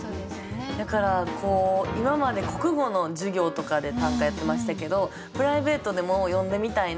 やから今まで国語の授業とかで短歌やってましたけどプライベートでもよんでみたいなって思いました。